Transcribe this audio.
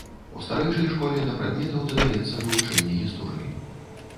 У старэйшай школе да прадметаў дадаецца вывучэнне гісторыі.